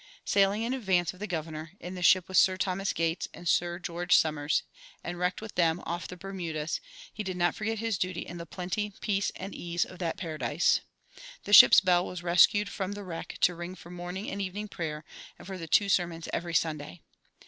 Sailing in advance of the governor, in the ship with Sir Thomas Gates and Sir George Somers, and wrecked with them off the Bermudas, he did not forget his duty in the "plenty, peace, and ease" of that paradise. The ship's bell was rescued from the wreck to ring for morning and evening prayer, and for the two sermons every Sunday.